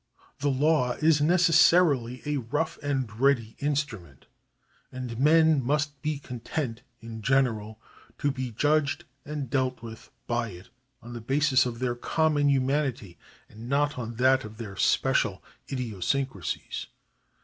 The law is necessarily a rough and ready instrument, and men must be content in general to be judged and dealt with by it on the basis of their common humanity, and not on that of their special idiosyncrasies.